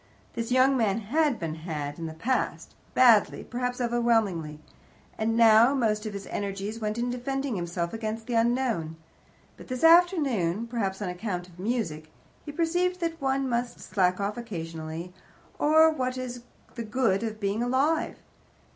This young man had been "had" in the past badly, perhaps overwhelmingly and now most of his energies went in defending himself against the unknown. But this afternoon perhaps on account of music he perceived that one must slack off occasionally, or what is the good of being alive?